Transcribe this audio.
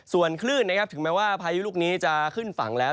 ส่วนคลื่นนะครับถึงแม้ว่าพายุลูกนี้จะขึ้นฝั่งแล้ว